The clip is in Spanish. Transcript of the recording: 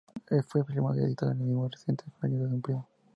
Fue filmado y editado por el mismo Residente, con la ayuda de un primo.